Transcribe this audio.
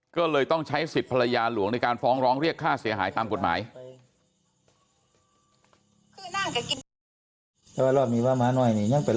ก็เลยต้องใช้สิทธิ์ภรรยาหลวงในการฟ้องร้องเรียกค่าเสียหายตามกฎหมาย